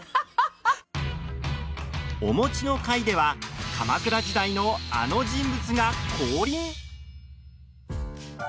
お餅の回では鎌倉時代の、あの人物が降臨。